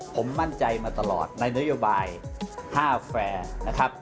ผมมั่นใจมาตลอดในนโยบาย๕แฟร์นะครับ